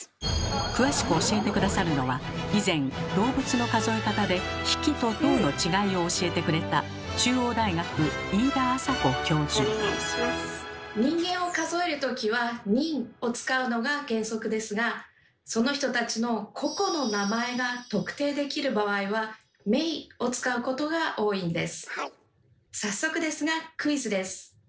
詳しく教えて下さるのは以前動物の数え方で「匹」と「頭」の違いを教えてくれたその人たちの個々の名前が特定できる場合は「名」を使うことが多いんです。